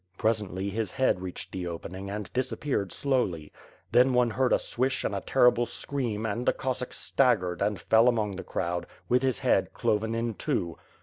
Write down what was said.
Presently his head reached the opening and disappeared slowly. Then, one heard a swish and a terrible scream and the Cossack staggered and fell among the crowd, with his head cloven in two.